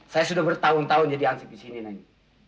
saya sudah bertahun tahun jadi ansik di sini neng